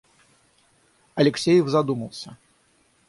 Алексеев задумался.